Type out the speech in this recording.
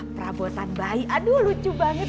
perabotan bayi aduh lucu banget